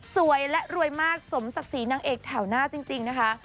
สวยและรวยมากสมศักดิ์ศรีนางเอกแถวหน้าจริงนะคะ